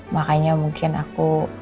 makanya mungkin aku